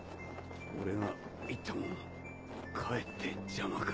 俺が行ってもかえって邪魔か。